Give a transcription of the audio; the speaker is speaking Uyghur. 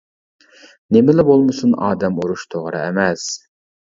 نېمىلا بولمىسۇن ئادەم ئۇرۇش توغرا ئەمەس.